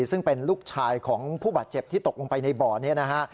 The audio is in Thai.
ซึ่งเป็นลูกชายของผู้บาดเจ็บที่ตกลงไปในบ่อนี้นะฮะ